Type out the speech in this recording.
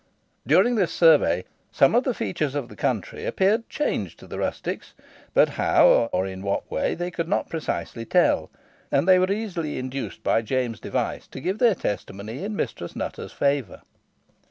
During this survey, some of the features of the country appeared changed to the rustics, but how or in what way they could not precisely tell, and they were easily induced by James Device to give their testimony in Mistress Nutter's favour.